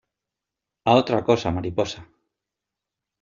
A otra cosa, mariposa